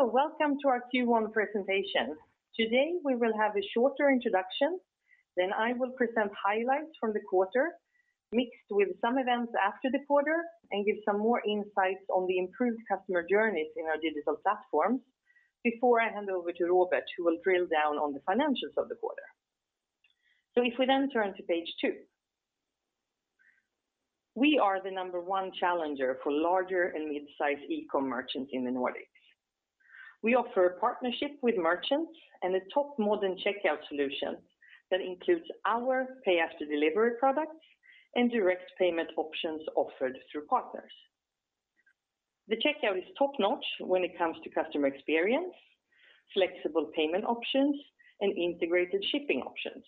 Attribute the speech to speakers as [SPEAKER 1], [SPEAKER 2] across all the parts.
[SPEAKER 1] Welcome to our Q1 presentation. Today, we will have a shorter introduction, then I will present highlights from the quarter, mixed with some events after the quarter and give some more insights on the improved customer journeys in our digital platforms before I hand over to Robert, who will drill down on the financials of the quarter. If we then turn to page two. We are the number one challenger for larger and mid-size e-com merchants in the Nordics. We offer a partnership with merchants and a top-modern checkout solution that includes our pay-after-delivery products and direct payment options offered through partners. The checkout is top-notch when it comes to customer experience, flexible payment options, and integrated shipping options.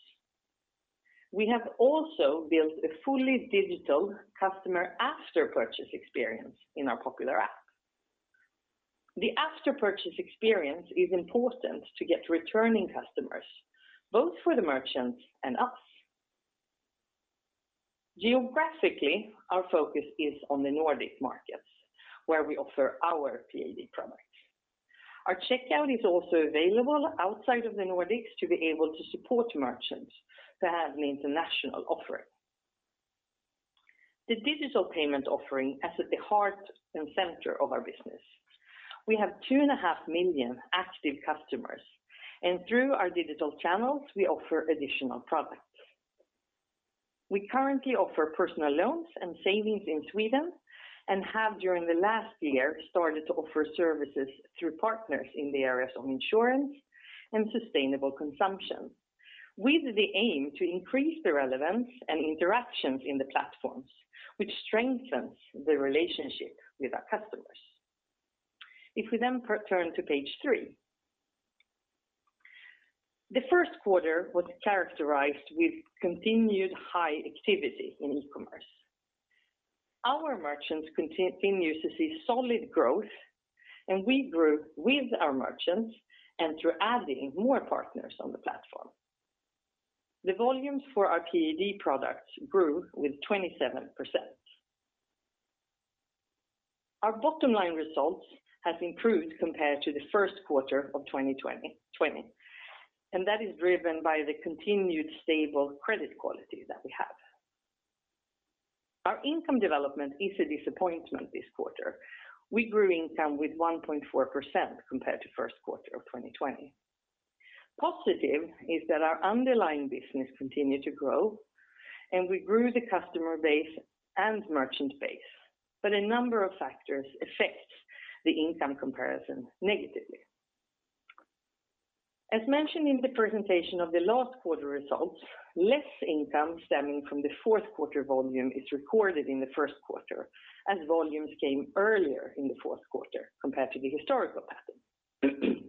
[SPEAKER 1] We have also built a fully digital customer after-purchase experience in our popular app. The after-purchase experience is important to get returning customers, both for the merchants and us. Geographically, our focus is on the Nordic markets, where we offer our PAD product. Our checkout is also available outside of the Nordics to be able to support merchants to have an international offering. The digital payment offering is at the heart and center of our business. We have 2.5 million active customers, and through our digital channels, we offer additional products. We currently offer personal loans and savings in Sweden and have, during the last year, started to offer services through partners in the areas of insurance and sustainable consumption, with the aim to increase the relevance and interactions in the platforms, which strengthens the relationship with our customers. If we turn to page three. The first quarter was characterized with continued high activity in e-commerce. Our merchants continue to see solid growth, and we grew with our merchants and through adding more partners on the platform. The volumes for our PAD products grew with 27%. Our bottom line results have improved compared to the first quarter of 2020, and that is driven by the continued stable credit quality that we have. Our income development is a disappointment this quarter. We grew income with 1.4% compared to first quarter of 2020. Positive is that our underlying business continued to grow, and we grew the customer base and merchant base. A number of factors affect the income comparison negatively. As mentioned in the presentation of the last quarter results, less income stemming from the fourth quarter volume is recorded in the first quarter, as volumes came earlier in the fourth quarter compared to the historical pattern.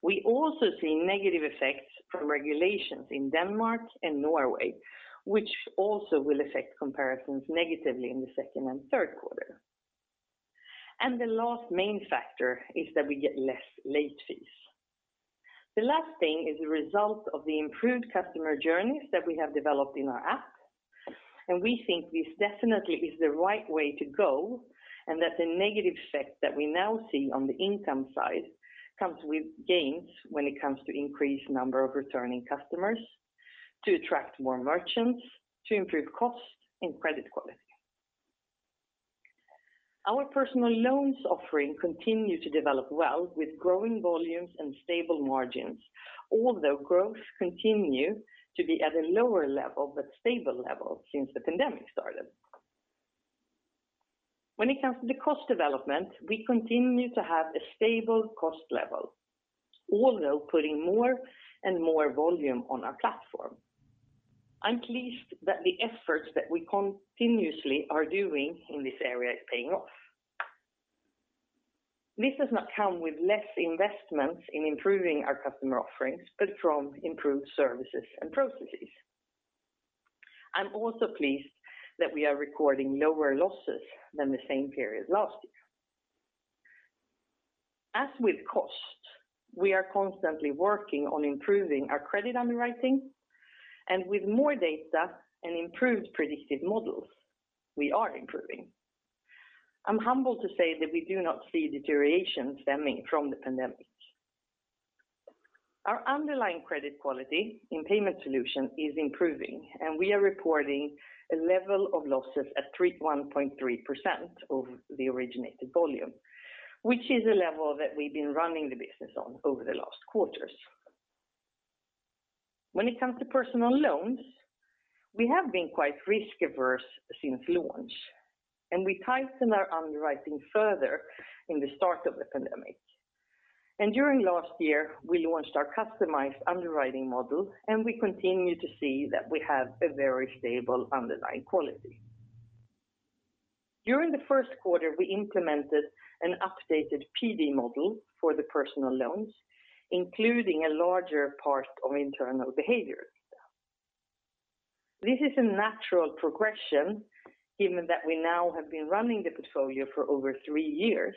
[SPEAKER 1] We also see negative effects from regulations in Denmark and Norway, which also will affect comparisons negatively in the second and third quarter. The last main factor is that we get less late fees. The last thing is a result of the improved customer journeys that we have developed in our app, and we think this definitely is the right way to go, and that the negative effect that we now see on the income side comes with gains when it comes to increased number of returning customers, to attract more merchants, to improve costs and credit quality. Our personal loans offering continue to develop well with growing volumes and stable margins, although growth continue to be at a lower level but stable level since the pandemic started. When it comes to the cost development, we continue to have a stable cost level, although putting more and more volume on our platform. I'm pleased that the efforts that we continuously are doing in this area is paying off. This does not come with less investments in improving our customer offerings, but from improved services and processes. I'm also pleased that we are recording lower losses than the same period last year. As with cost, we are constantly working on improving our credit underwriting, and with more data and improved predictive models, we are improving. I'm humbled to say that we do not see deterioration stemming from the pandemic. Our underlying credit quality in Payment Solutions is improving, and we are reporting a level of losses at 31.3% of the originated volume, which is a level that we've been running the business on over the last quarters. When it comes to personal loans, we have been quite risk-averse since launch, and we tightened our underwriting further in the start of the pandemic. During last year, we launched our customized underwriting model, and we continue to see that we have a very stable underlying quality. During the first quarter, we implemented an updated PD model for the personal loans, including a larger part of internal behaviors. This is a natural progression given that we now have been running the portfolio for over three years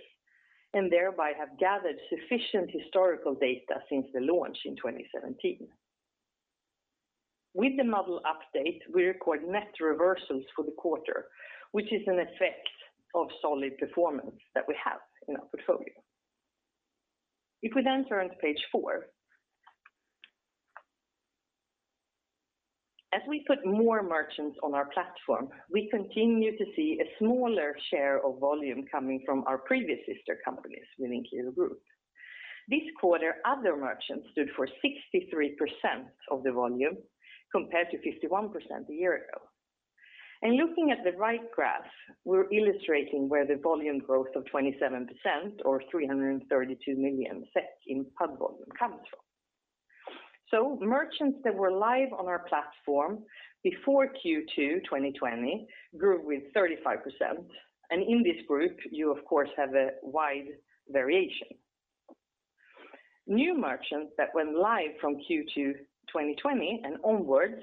[SPEAKER 1] and thereby have gathered sufficient historical data since the launch in 2017. With the model update, we record net reversals for the quarter, which is an effect of solid performance that we have in our portfolio. If we then turn to page four. As we put more merchants on our platform, we continue to see a smaller share of volume coming from our previous sister companies within Qliro Group. This quarter, other merchants stood for 63% of the volume, compared to 51% a year ago. Looking at the right graph, we're illustrating where the volume growth of 27%, or 332 million SEK in hub volume comes from. Merchants that were live on our platform before Q2 2020 grew with 35%, and in this group you of course have a wide variation. New merchants that went live from Q2 2020 and onwards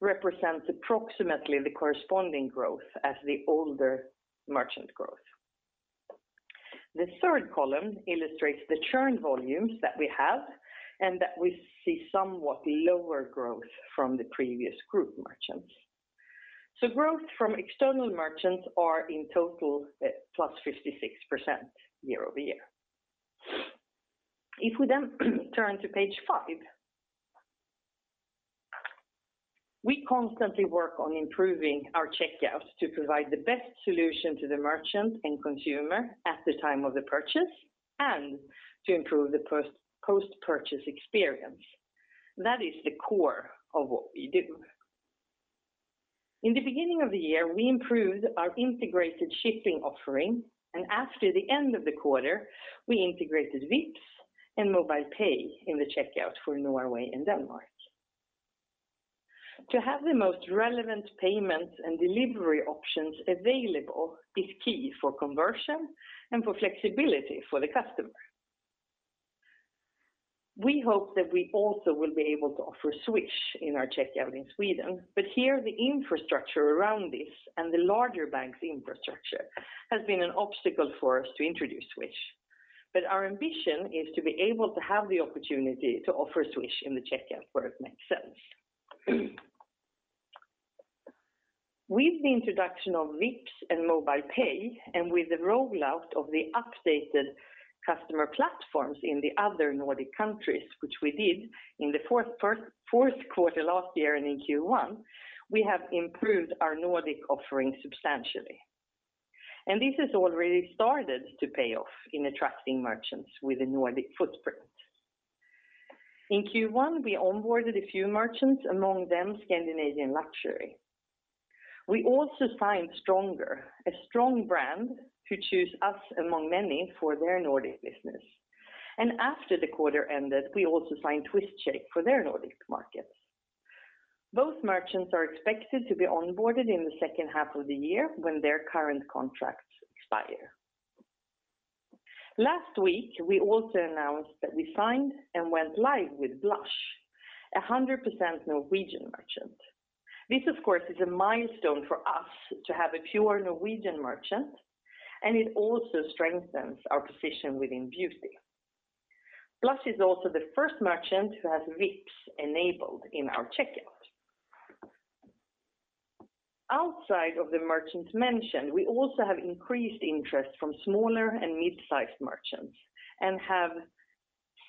[SPEAKER 1] represent approximately the corresponding growth as the older merchant growth. The third column illustrates the churn volumes that we have and that we see somewhat lower growth from the previous group merchants. Growth from external merchants are in total at plus 56% year-over-year. If we then turn to page five. We constantly work on improving our checkout to provide the best solution to the merchant and consumer at the time of the purchase, and to improve the post-purchase experience. That is the core of what we do. In the beginning of the year, we improved our integrated shipping offering, and after the end of the quarter, we integrated Vipps and MobilePay in the checkout for Norway and Denmark. To have the most relevant payment and delivery options available is key for conversion and for flexibility for the customer. We hope that we also will be able to offer Swish in our checkout in Sweden, but here the infrastructure around this and the larger bank's infrastructure has been an obstacle for us to introduce Swish. Our ambition is to be able to have the opportunity to offer Swish in the checkout where it makes sense. With the introduction of Vipps and MobilePay, and with the rollout of the updated customer platforms in the other Nordic countries, which we did in the fourth quarter last year and in Q1, we have improved our Nordic offering substantially. This has already started to pay off in attracting merchants with a Nordic footprint. In Q1, we onboarded a few merchants, among them Scandinavian Luxury. We also signed Stronger, a strong brand who choose us among many for their Nordic business. After the quarter ended, we also signed Twistshake for their Nordic markets. Both merchants are expected to be onboarded in the second half of the year when their current contracts expire. Last week, we also announced that we signed and went live with Blush, 100% Norwegian merchant. This of course is a milestone for us to have a pure Norwegian merchant, and it also strengthens our position within beauty. Blush is also the first merchant who has Vipps enabled in our checkout. Outside of the merchants mentioned, we also have increased interest from smaller and mid-sized merchants, and have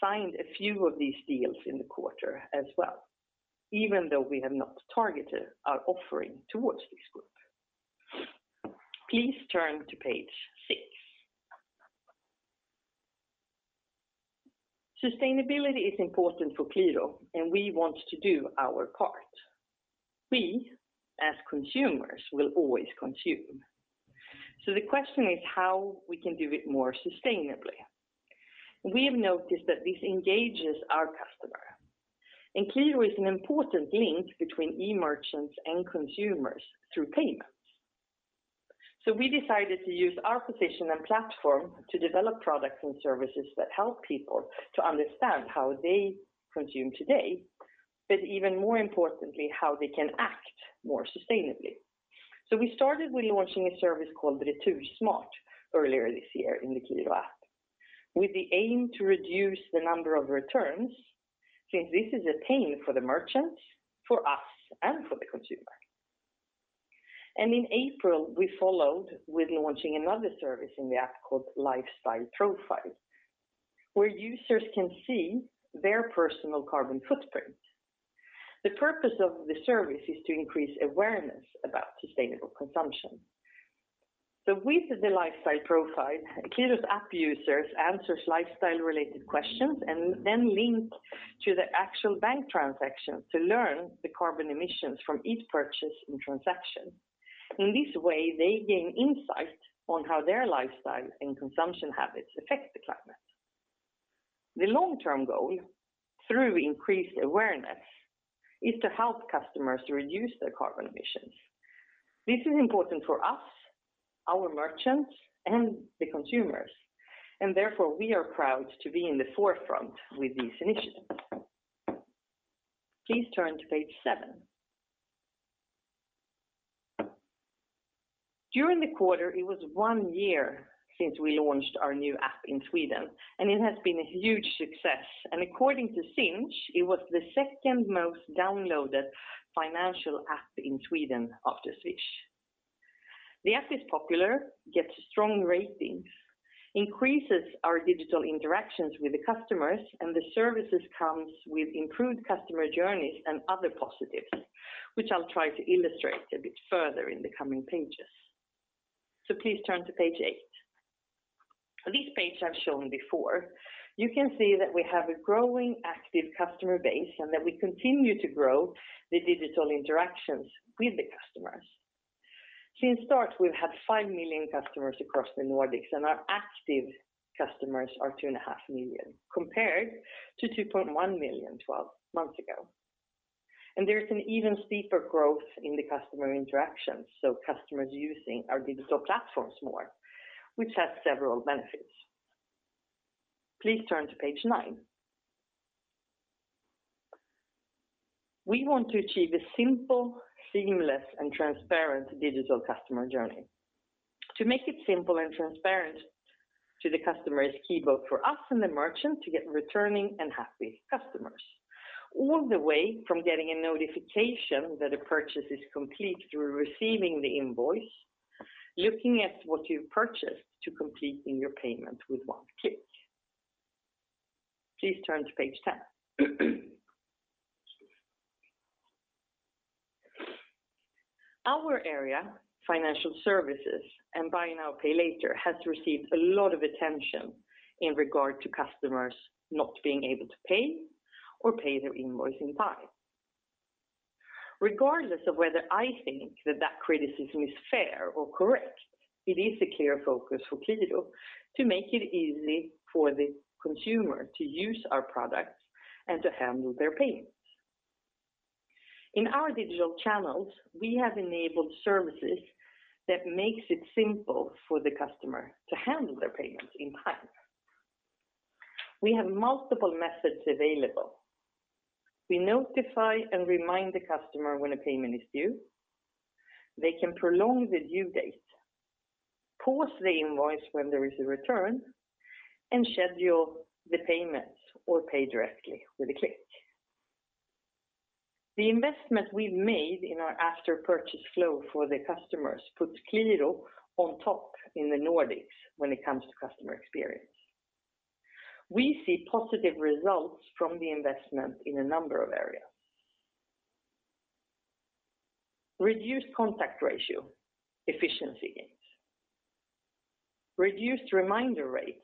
[SPEAKER 1] signed a few of these deals in the quarter as well, even though we have not targeted our offering towards this group. Please turn to page six. Sustainability is important for Qliro, and we want to do our part. We, as consumers, will always consume. The question is how we can do it more sustainably. We have noticed that this engages our customer, and Qliro is an important link between e-merchants and consumers through payments. We decided to use our position and platform to develop products and services that help people to understand how they consume today, but even more importantly, how they can act more sustainably. We started with launching a service called Retursmart earlier this year in the Qliro app, with the aim to reduce the number of returns, since this is a pain for the merchant, for us, and for the consumer. In April, we followed with launching another service in the app called Lifestyle Profile, where users can see their personal carbon footprint. The purpose of the service is to increase awareness about sustainable consumption. With the Lifestyle Profile, Qliro's app users answers lifestyle-related questions, and then link to the actual bank transaction to learn the carbon emissions from each purchase and transaction. In this way, they gain insight on how their lifestyle and consumption habits affect the climate. The long-term goal, through increased awareness, is to help customers reduce their carbon emissions. This is important for us, our merchants, and the consumers. Therefore, we are proud to be in the forefront with these initiatives. Please turn to page seven. During the quarter, it was one year since we launched our new app in Sweden. It has been a huge success. According to Sinch, it was the second most downloaded financial app in Sweden after Swish. The app is popular, gets strong ratings, increases our digital interactions with the customers. The services comes with improved customer journeys and other positives, which I'll try to illustrate a bit further in the coming pages. Please turn to page eight. This page I've shown before. You can see that we have a growing, active customer base, and that we continue to grow the digital interactions with the customers. Since start, we've had five million customers across the Nordics, and our active customers are 2.5 million, compared to 2.1 million 12 months ago. There's an even steeper growth in the customer interactions, so customers using our digital platforms more, which has several benefits. Please turn to page nine. We want to achieve a simple, seamless, and transparent digital customer journey. To make it simple and transparent to the customer is key both for us and the merchant to get returning and happy customers, all the way from getting a notification that a purchase is complete to receiving the invoice, looking at what you've purchased to completing your payment with one click. Please turn to page 10. Our area, financial services and buy now, pay later, has received a lot of attention in regard to customers not being able to pay or pay their invoice in time. Regardless of whether I think that that criticism is fair or correct, it is a clear focus for Qliro to make it easy for the consumer to use our products and to handle their payments. In our digital channels, we have enabled services that makes it simple for the customer to handle their payments in time. We have multiple methods available. We notify and remind the customer when a payment is due. They can prolong the due date, pause the invoice when there is a return, and schedule the payments or pay directly with a click. The investment we've made in our after-purchase flow for the customers puts Qliro on top in the Nordics when it comes to customer experience. We see positive results from the investment in a number of areas. Reduced contact ratio, efficiency gains. Reduced reminder rates,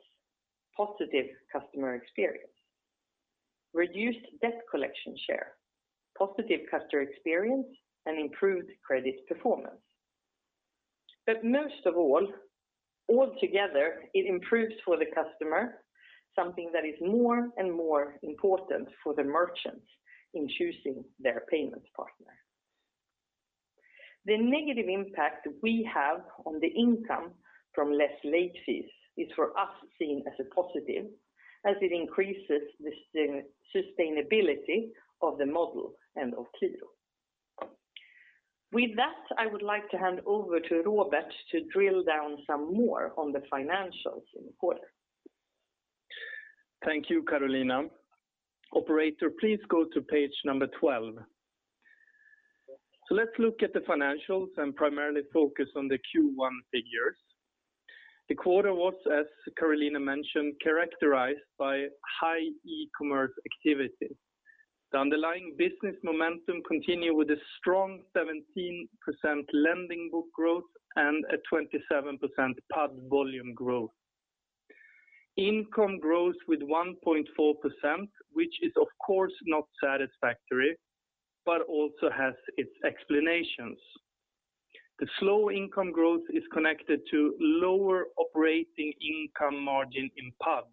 [SPEAKER 1] positive customer experience. Reduced debt collection share, positive customer experience, and improved credit performance. Most of all together, it improves for the customer, something that is more and more important for the merchants in choosing their payments partner. The negative impact we have on the income from less late fees is, for us, seen as a positive, as it increases the sustainability of the model and of Qliro. With that, I would like to hand over to Robert to drill down some more on the financials in the quarter.
[SPEAKER 2] Thank you, Carolina. Operator, please go to page number 12. Let's look at the financials and primarily focus on the Q1 figures. The quarter was, as Carolina mentioned, characterized by high e-commerce activity. The underlying business momentum continue with a strong 17% lending book growth and a 27% PAD volume growth. Income growth with 1.4%, which is of course not satisfactory, but also has its explanations. The slow income growth is connected to lower operating income margin in PAD,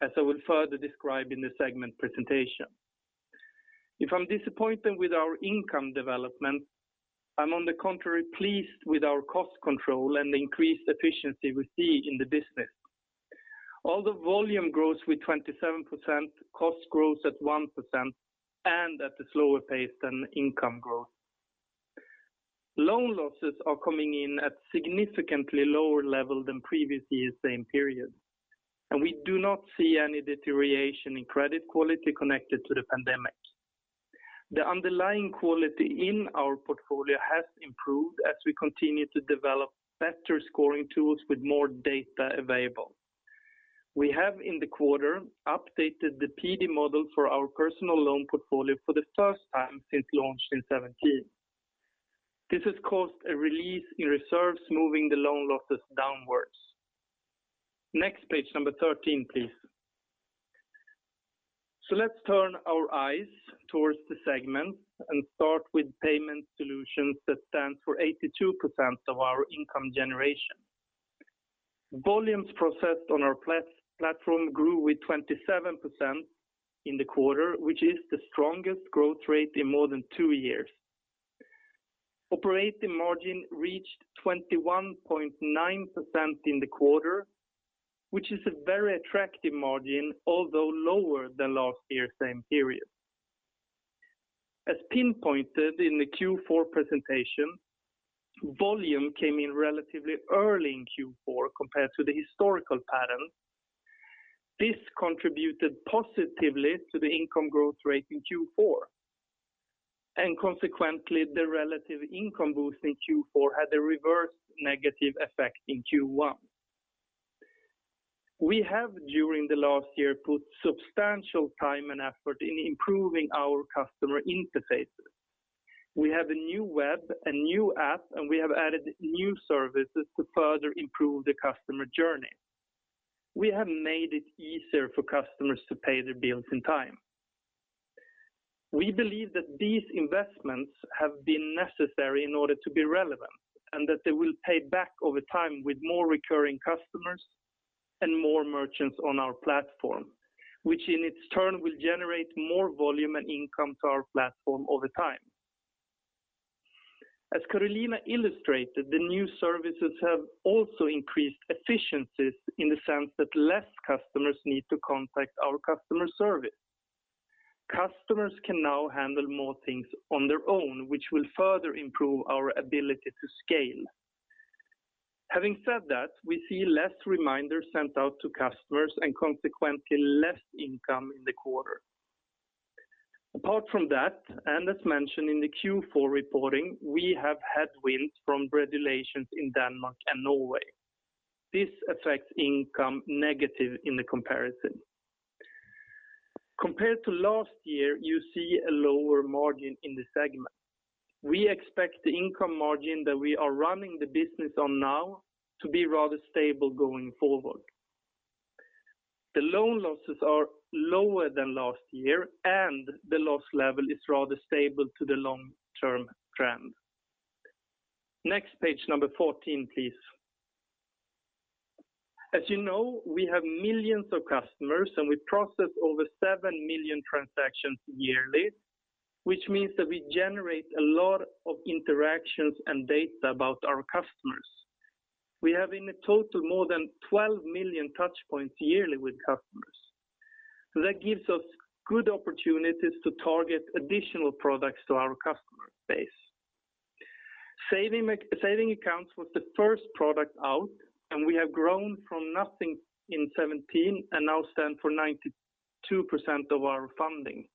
[SPEAKER 2] as I will further describe in the segment presentation. If I'm disappointed with our income development, I'm on the contrary pleased with our cost control and the increased efficiency we see in the business. Although volume grows with 27%, cost grows at 1% and at a slower pace than income growth. Loan losses are coming in at significantly lower level than previous year's same period. We do not see any deterioration in credit quality connected to the pandemic. The underlying quality in our portfolio has improved as we continue to develop better scoring tools with more data available. We have, in the quarter, updated the PD model for our personal loan portfolio for the first time since launch in 2017. This has caused a release in reserves, moving the loan losses downwards. Next page, number 13, please. Let's turn our eyes towards the segments and start with Payment Solutions that stand for 82% of our income generation. Volumes processed on our platform grew with 27% in the quarter, which is the strongest growth rate in more than two years. Operating margin reached 21.9% in the quarter, which is a very attractive margin, although lower than last year same period. As pinpointed in the Q4 presentation, volume came in relatively early in Q4 compared to the historical pattern. This contributed positively to the income growth rate in Q4, and consequently the relative income boost in Q4 had a reverse negative effect in Q1. We have, during the last year, put substantial time and effort in improving our customer interfaces. We have a new web, a new app, and we have added new services to further improve the customer journey. We have made it easier for customers to pay their bills on time. We believe that these investments have been necessary in order to be relevant, and that they will pay back over time with more recurring customers and more merchants on our platform, which in its turn will generate more volume and income to our platform over time. As Carolina illustrated, the new services have also increased efficiencies in the sense that less customers need to contact our customer service. Customers can now handle more things on their own, which will further improve our ability to scale. Having said that, we see less reminders sent out to customers and consequently less income in the quarter. Apart from that, as mentioned in the Q4 reporting, we have headwinds from regulations in Denmark and Norway. This affects income negative in the comparison. Compared to last year, you see a lower margin in the segment. We expect the income margin that we are running the business on now to be rather stable going forward. The loan losses are lower than last year, and the loss level is rather stable to the long-term trend. Next page, number 14, please. As you know, we have millions of customers, and we process over seven million transactions yearly, which means that we generate a lot of interactions and data about our customers. We have in total more than 12 million touchpoints yearly with customers. That gives us good opportunities to target additional products to our customer base. Saving accounts was the first product out, and we have grown from nothing in 2017 and now stand for 92% of our funding.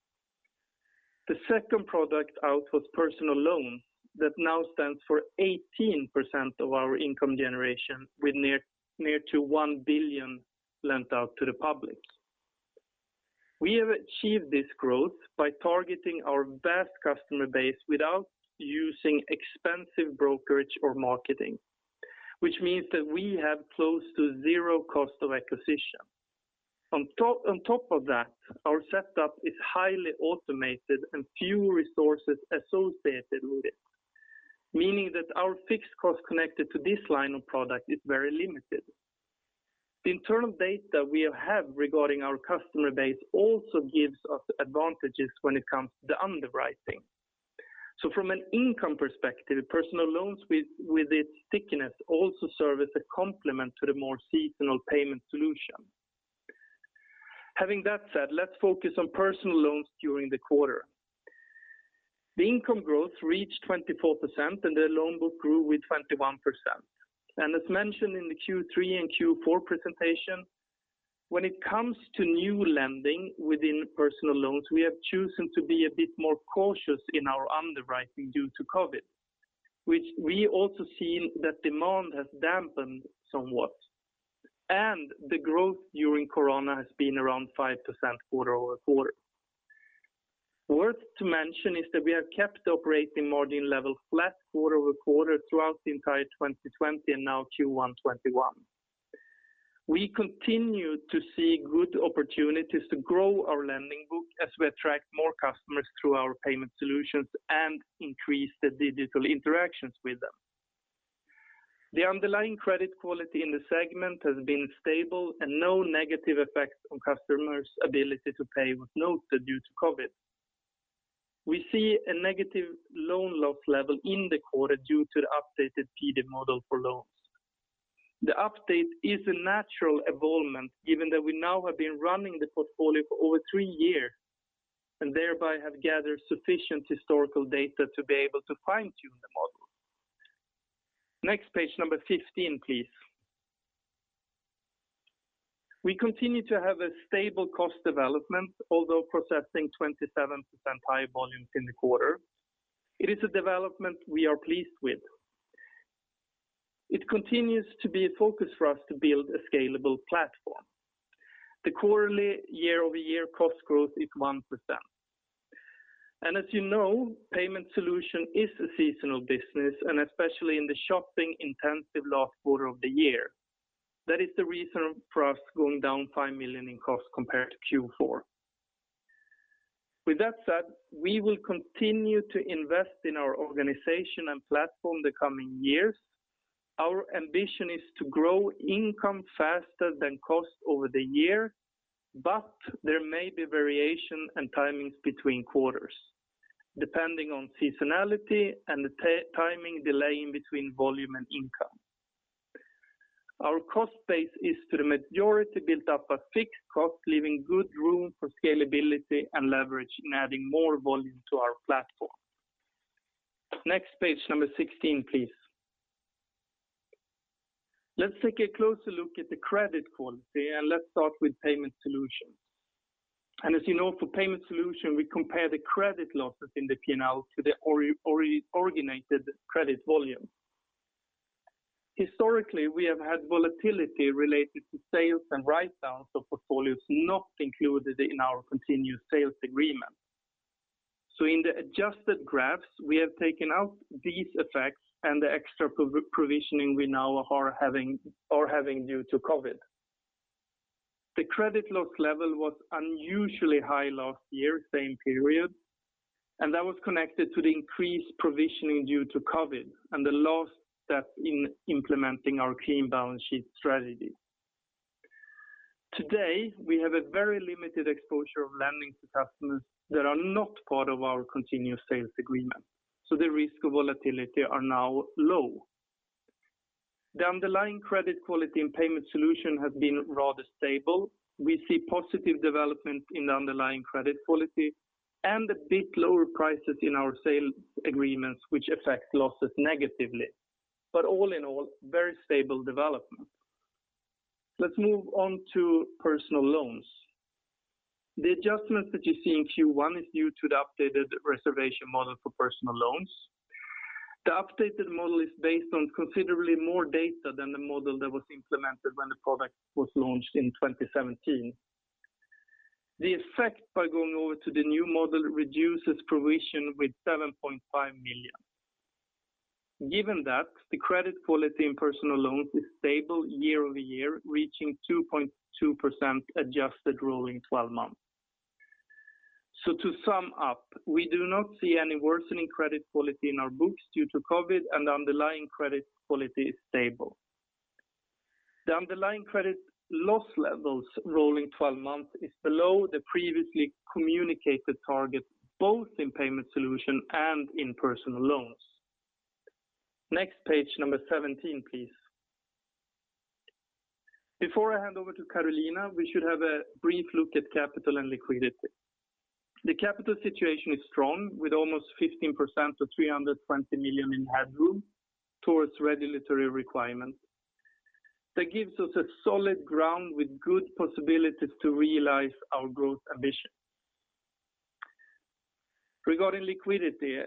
[SPEAKER 2] The second product out was personal loan that now stands for 18% of our income generation, with near to 1 billion lent out to the public. We have achieved this growth by targeting our vast customer base without using expensive brokerage or marketing, which means that we have close to zero cost of acquisition. On top of that, our setup is highly automated and few resources associated with it, meaning that our fixed cost connected to this line of product is very limited. The internal data we have regarding our customer base also gives us advantages when it comes to the underwriting. From an income perspective, personal loans with its stickiness also serve as a complement to the more seasonal Payment Solutions. Having that said, let's focus on personal loans during the quarter. The income growth reached 24%, and the loan book grew with 21%. As mentioned in the Q3 and Q4 presentation, when it comes to new lending within personal loans, we have chosen to be a bit more cautious in our underwriting due to COVID, which we also seen that demand has dampened somewhat. The growth during COVID has been around 5% quarter-over-quarter. Worth to mention is that we have kept operating margin level flat quarter-over-quarter throughout the entire 2020 and now Q1 2021. We continue to see good opportunities to grow our lending book as we attract more customers through our Payment Solutions and increase the digital interactions with them. The underlying credit quality in the segment has been stable and no negative effects on customers' ability to pay was noted due to COVID. We see a negative loan loss level in the quarter due to the updated PD model for loans. The update is a natural evolvement given that we now have been running the portfolio for over three years and thereby have gathered sufficient historical data to be able to fine-tune the model. Next page, number 15, please. We continue to have a stable cost development, although processing 27% higher volumes in the quarter. It is a development we are pleased with. It continues to be a focus for us to build a scalable platform. The quarterly year-over-year cost growth is 1%. As you know, Payment Solutions is a seasonal business, and especially in the shopping-intensive last quarter of the year. That is the reason for us going down 5 million in cost compared to Q4. With that said, we will continue to invest in our organization and platform the coming years. Our ambition is to grow income faster than cost over the year, but there may be variation and timings between quarters, depending on seasonality and the timing delay in between volume and income. Our cost base is to the majority built up a fixed cost, leaving good room for scalability and leverage in adding more volume to our platform. Next page, number 16, please. Let's take a closer look at the credit quality and let's start with Payment Solutions. As you know, for Payment Solutions, we compare the credit losses in the P&L to the originated credit volume. Historically, we have had volatility related to sales and write-downs of portfolios not included in our continuous sales agreement. In the adjusted graphs, we have taken out these effects and the extra provisioning we now are having due to COVID. The credit loss level was unusually high last year, same period. That was connected to the increased provisioning due to COVID and the last step in implementing our clean balance sheet strategy. Today, we have a very limited exposure of lending to customers that are not part of our continuous sales agreement. The risk of volatility are now low. The underlying credit quality and Payment Solution has been rather stable. We see positive development in the underlying credit quality and a bit lower prices in our sales agreements, which affects losses negatively. All in all, very stable development. Let's move on to personal loans. The adjustments that you see in Q1 is due to the updated reservation model for personal loans. The updated model is based on considerably more data than the model that was implemented when the product was launched in 2017. The effect by going over to the new model reduces provision with 7.5 million. Given that, the credit quality in personal loans is stable year-over-year, reaching 2.2% adjusted rolling 12 months. To sum up, we do not see any worsening credit quality in our books due to COVID and underlying credit quality is stable. The underlying credit loss levels rolling 12 months is below the previously communicated target, both in Payment Solutions and in personal loans. Page, number 17, please. Before I hand over to Carolina, we should have a brief look at capital and liquidity. The capital situation is strong with almost 15% or 320 million in headroom towards regulatory requirements. That gives us a solid ground with good possibilities to realize our growth ambition. Regarding liquidity,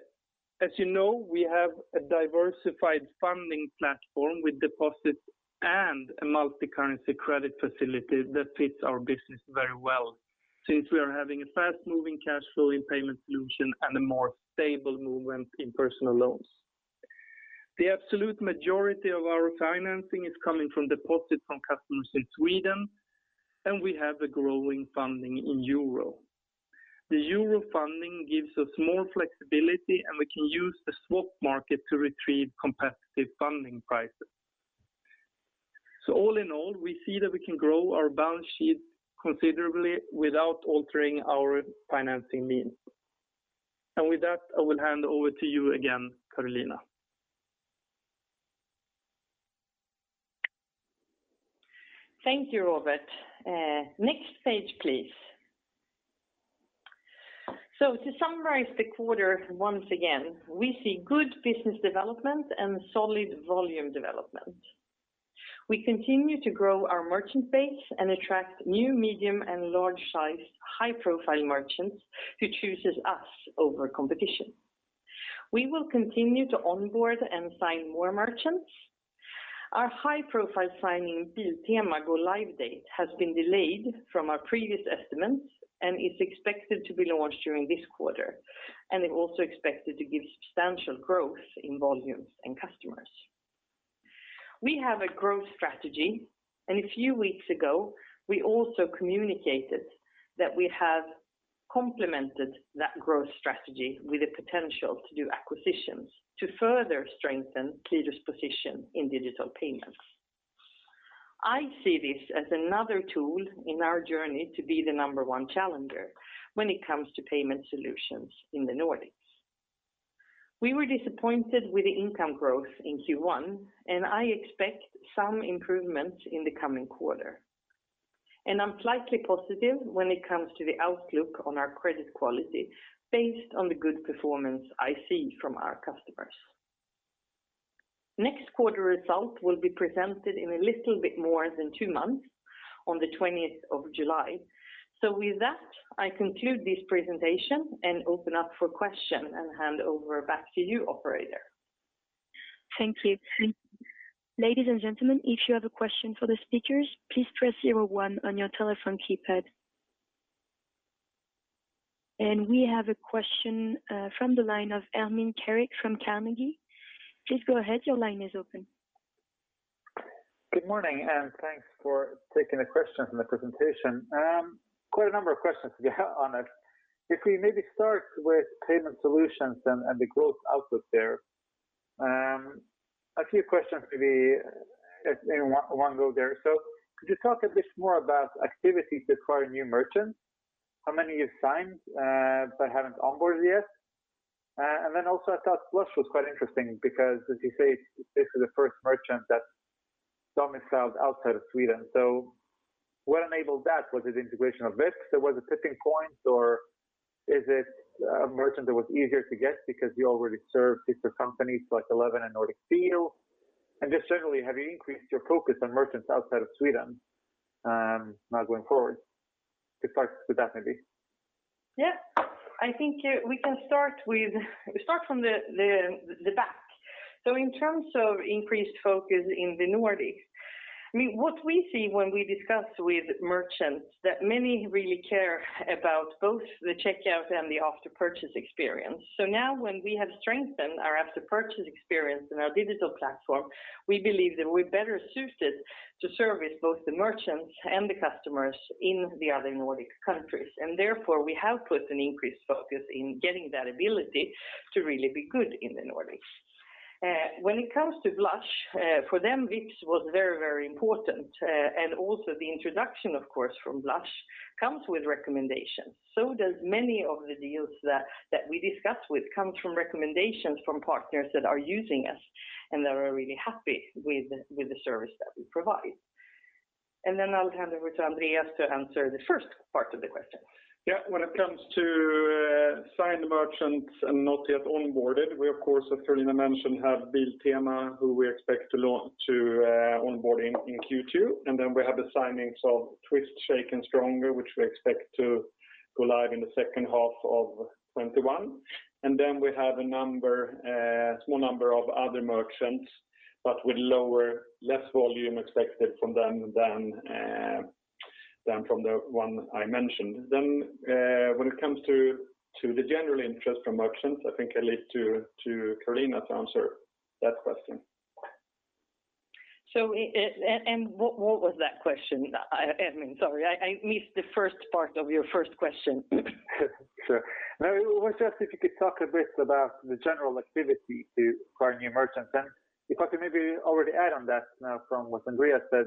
[SPEAKER 2] as you know, we have a diversified funding platform with deposits and a multi-currency credit facility that fits our business very well since we are having a fast-moving cash flow in Payment Solutions and a more stable movement in personal loans. The absolute majority of our financing is coming from deposits from customers in Sweden. We have the growing funding in EUR. The EUR funding gives us more flexibility. We can use the swap market to retrieve competitive funding prices. All in all, we see that we can grow our balance sheet considerably without altering our financing means. With that, I will hand over to you again, Carolina.
[SPEAKER 1] Thank you, Robert. Next page, please. To summarize the quarter once again, we see good business development and solid volume development. We continue to grow our merchant base and attract new medium and large-sized high-profile merchants who chooses us over competition. We will continue to onboard and sign more merchants. Our high-profile signing, Biltema go live date has been delayed from our previous estimates and is expected to be launched during this quarter. It also expected to give substantial growth in volumes and customers. We have a growth strategy, and a few weeks ago, we also communicated that we have complemented that growth strategy with the potential to do acquisitions to further strengthen Qliro's position in digital payments. I see this as another tool in our journey to be the number one challenger when it comes to Payment Solutions in the Nordics. We were disappointed with the income growth in Q1. I expect some improvements in the coming quarter. I'm slightly positive when it comes to the outlook on our credit quality based on the good performance I see from our customers. Next quarter results will be presented in a little bit more than two months on the 20th of July. With that, I conclude this presentation and open up for question and hand over back to you, operator.
[SPEAKER 3] Thank you. Ladies and gentlemen, if you have a question for the speakers, please press zero one on your telephone keypad. We have a question from the line of Ermin Keric from Carnegie. Please go ahead. Your line is open.
[SPEAKER 4] Good morning. Thanks for taking the questions and the presentation. Quite a number of questions to be honest. We maybe start with Payment Solutions and the growth outlook there. A few questions maybe in one go there. Could you talk a bit more about activities to acquire new merchants? How many you've signed but haven't onboarded yet? Also, I thought Blush was quite interesting because as you say, this is the first merchant that domiciled outside of Sweden. What enabled that? Was it integration of Vipps? Was it tipping point or is it a merchant that was easier to get because you already served bigger companies like Eleven and NordicFeel? Just generally, have you increased your focus on merchants outside of Sweden now going forward? We start with that, maybe.
[SPEAKER 1] Yeah. I think we can start from the back. In terms of increased focus in the Nordics, what we see when we discuss with merchants, that many really care about both the checkout and the after-purchase experience. Now when we have strengthened our after-purchase experience and our digital platform, we believe that we're better suited to service both the merchants and the customers in the other Nordic countries. Therefore, we have put an increased focus in getting that ability to really be good in the Nordics. When it comes to Blush, for them, Vipps was very important. Also the introduction, of course, from Blush comes with recommendations. Does many of the deals that we discuss with come from recommendations from partners that are using us and that are really happy with the service that we provide. I'll hand over to Andreas to answer the first part of the question.
[SPEAKER 5] Yeah. When it comes to signed merchants and not yet onboarded, we of course, as Carolina mentioned, have Biltema, who we expect to onboard in Q2. Then we have the signings of Twistshake and Stronger, which we expect to go live in the second half of 2021. Then we have a small number of other merchants, but with less volume expected from them than from the one I mentioned. When it comes to the general interest from merchants, I think I leave to Carolina to answer that question.
[SPEAKER 1] What was that question, Ermin? Sorry, I missed the first part of your first question.
[SPEAKER 4] Sure. No, it was just if you could talk a bit about the general activity to acquire new merchants and if I could maybe already add on that now from what Andreas said,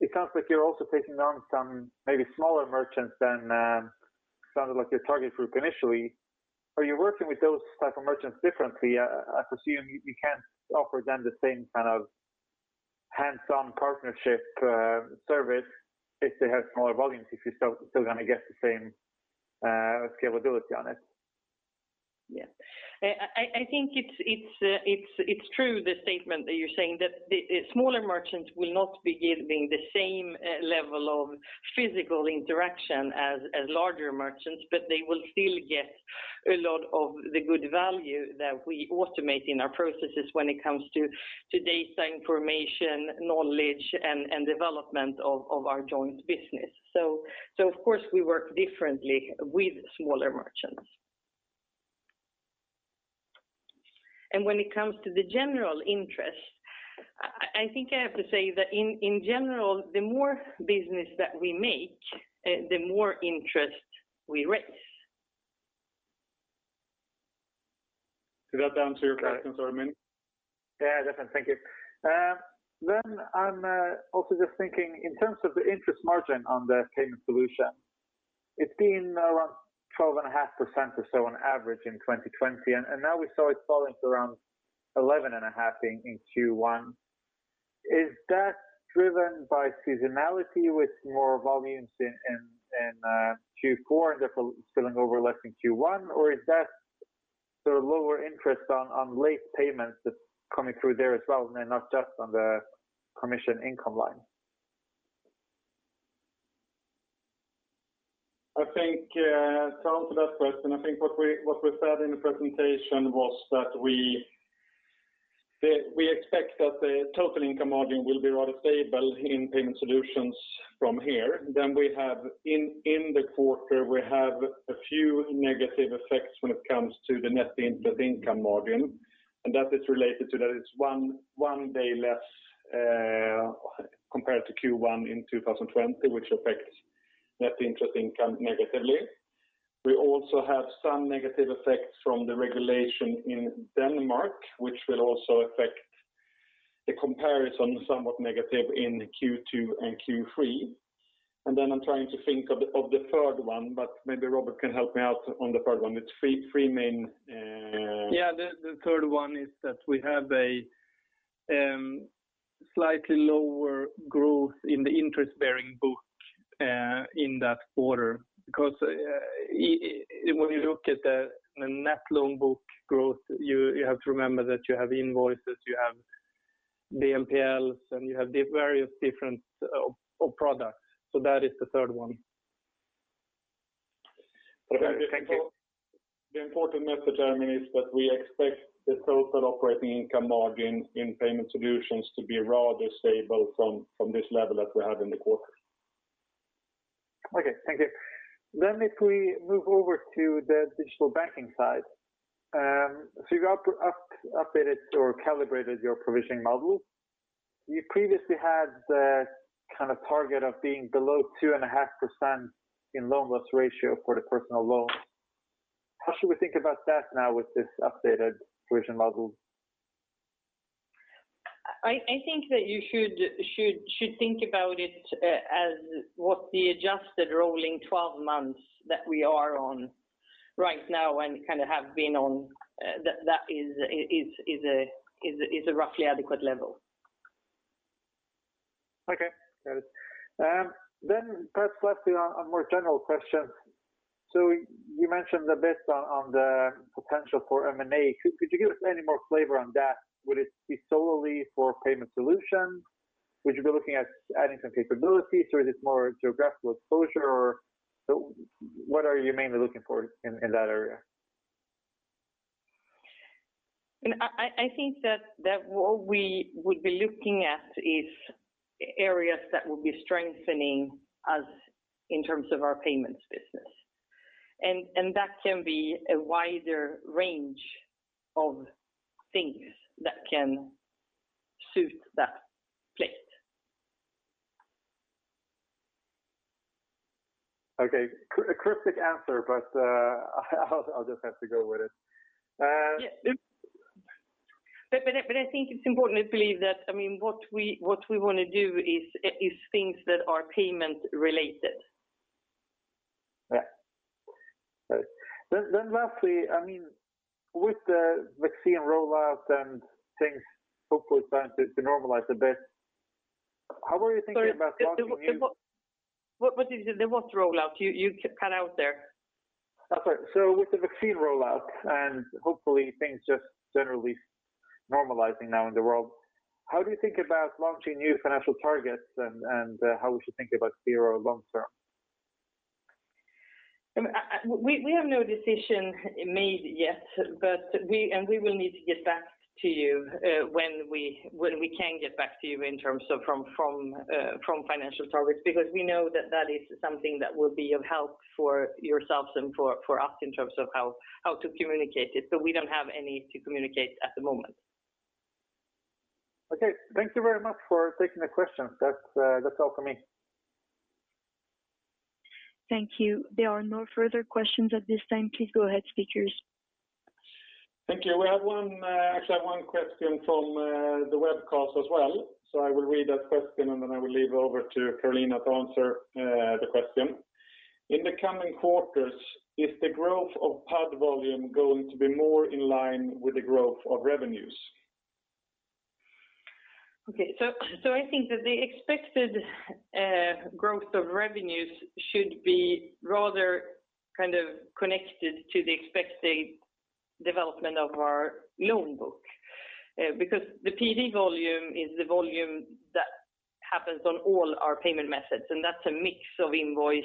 [SPEAKER 4] it sounds like you're also taking on some maybe smaller merchants than sounded like your target group initially. Are you working with those type of merchants differently? I presume you can't offer them the same kind of hands-on partnership service if they have smaller volumes, if you're still going to get the same scalability on it.
[SPEAKER 1] I think it's true the statement that you're saying that the smaller merchants will not be given the same level of physical interaction as larger merchants, but they will still get a lot of the good value that we automate in our processes when it comes to data information, knowledge, and development of our joint business. Of course, we work differently with smaller merchants. When it comes to the general interest, I think I have to say that in general, the more business that we make, the more interest we raise.
[SPEAKER 5] Did that answer your question, sorry, Ermin?
[SPEAKER 4] Yeah, definitely. Thank you. I'm also just thinking in terms of the interest margin on the Payment Solutions, it's been around 12.5% or so on average in 2020, and now we saw it falling to around 11.5% in Q1. Is that driven by seasonality with more volumes in Q4 and therefore spilling over less in Q1? Or is that sort of lower interest on late payments that's coming through there as well and not just on the commission income line?
[SPEAKER 5] I think to answer that question, I think what we said in the presentation was that we expect that the total income margin will be rather stable in Payment Solutions from here. In the quarter, we have a few negative effects when it comes to the net interest income margin, and that is related to that it's one day less compared to Q1 in 2020, which affects net interest income negatively. We also have some negative effects from the regulation in Denmark, which will also affect the comparison somewhat negative in Q2 and Q3. I'm trying to think of the third one, but maybe Robert can help me out on the third one.
[SPEAKER 2] Yeah, the third one is that we have a slightly lower growth in the interest-bearing book in that quarter because when you look at the net loan book growth, you have to remember that you have invoices, you have BNPLs, and you have various different products. That is the third one.
[SPEAKER 4] Okay. Thank you.
[SPEAKER 5] The important message, Ermin, is that we expect the total operating income margin in Payment Solutions to be rather stable from this level that we have in the quarter.
[SPEAKER 4] Thank you. If we move over to the Digital Banking side. You've updated or calibrated your provisioning model. You previously had the kind of target of being below 2.5% in loan loss ratio for the personal loan. How should we think about that now with this updated provision model?
[SPEAKER 1] I think that you should think about it as what the adjusted rolling 12 months that we are on right now and have been on, that is a roughly adequate level.
[SPEAKER 4] Okay, got it. Perhaps lastly, a more general question. You mentioned a bit on the potential for M&A. Could you give us any more flavor on that? Would it be solely for Payment Solutions? Would you be looking at adding some capabilities, or is this more geographical exposure? What are you mainly looking for in that area?
[SPEAKER 1] I think that what we would be looking at is areas that will be strengthening us in terms of our payments business. That can be a wider range of things that can suit that plate.
[SPEAKER 4] Okay. Cryptic answer. I'll just have to go with it.
[SPEAKER 1] Yeah. I think it's important to believe that what we want to do is things that are payment related.
[SPEAKER 4] Yeah. All right. Lastly, with the vaccine rollout and things hopefully starting to normalize a bit, how are you thinking about launching?
[SPEAKER 1] Sorry. What did you say there? What rollout? You cut out there.
[SPEAKER 4] Oh, sorry. With the vaccine rollout and hopefully things just generally normalizing now in the world, how do you think about launching new financial targets and how we should think about Qliro long term?
[SPEAKER 1] We have no decision made yet, and we will need to get back to you when we can get back to you in terms of from financial targets, because we know that that is something that will be of help for yourselves and for us in terms of how to communicate it, but we don't have any to communicate at the moment.
[SPEAKER 4] Okay. Thank you very much for taking the questions. That's all from me.
[SPEAKER 3] Thank you. There are no further questions at this time. Please go ahead, speakers.
[SPEAKER 5] Thank you. We have actually one question from the webcast as well, so I will read that question and then I will leave it over to Carolina to answer the question. In the coming quarters, is the growth of PAD volume going to be more in line with the growth of revenues?
[SPEAKER 1] Okay. I think that the expected growth of revenues should be rather connected to the expected development of our loan book because the PAD volume is the volume that happens on all our payment methods, and that's a mix of invoice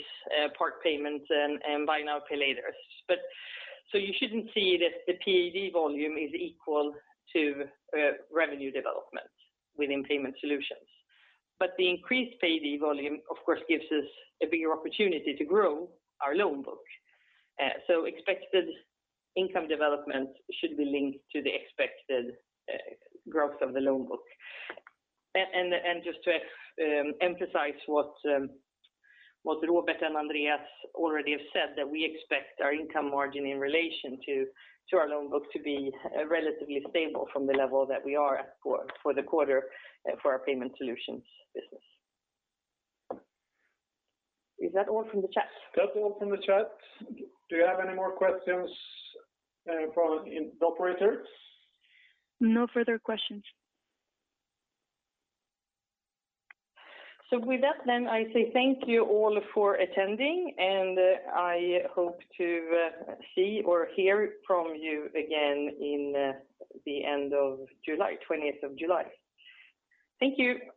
[SPEAKER 1] part payments and buy now, pay later. You shouldn't see that the PAD volume is equal to revenue development within Payment Solutions. The increased PAD volume, of course, gives us a bigger opportunity to grow our loan book. Expected income development should be linked to the expected growth of the loan book. Just to emphasize what Robert and Andreas already have said, that we expect our income margin in relation to our loan book to be relatively stable from the level that we are at for the quarter for our Payment Solutions business. Is that all from the chat?
[SPEAKER 5] That's all from the chat. Do you have any more questions from the operator?
[SPEAKER 3] No further questions.
[SPEAKER 1] With that then, I say thank you all for attending, and I hope to see or hear from you again in the end of July, 20th of July. Thank you.